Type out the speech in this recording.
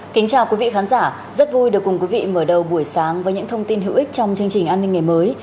kính chào quý vị khán giả rất vui được cùng quý vị mở đầu buổi sáng với những thông tin hữu ích trong chương trình an ninh ngày mới